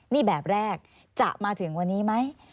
นี่แบบแรกจะมาถึงวันนี้ไหม